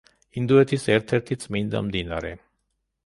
ინდოეთის ერთ-ერთი წმინდა მდინარე.